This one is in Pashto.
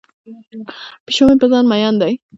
پیشو مې په ځان مین دی.